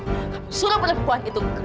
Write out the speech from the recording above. kamu suruh perempuan itu gerak